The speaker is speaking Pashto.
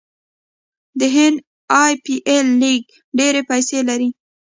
د هند ای پي ایل لیګ ډیرې پیسې لري.